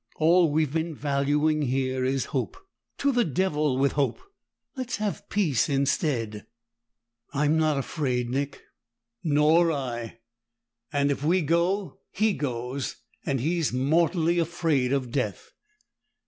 "All we've been valuing here is hope. To the devil with hope! Let's have peace instead!" "I'm not afraid, Nick." "Nor I. And if we go, he goes, and he's mortally afraid of death!"